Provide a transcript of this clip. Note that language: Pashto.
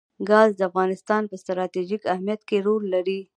ګاز د افغانستان په ستراتیژیک اهمیت کې رول لري.